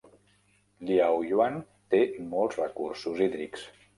Liaoyuan té molts recursos hídrics.